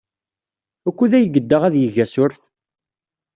Wukud ay yedda ad yeg asurf?